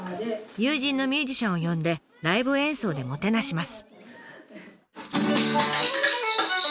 友人のミュージシャンを呼んでライブ演奏でもてなします。